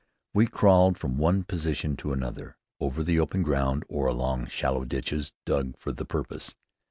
We crawled from one position to another over the open ground or along shallow ditches, dug for the purpose.